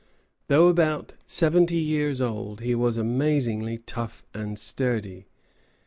Though about seventy years old, he was amazingly tough and sturdy.